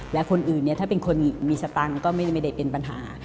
และคนอื่นเนี่ยถ้าเป็นคนมีสตังค์ก็ไม่ได้เป็นปัญหา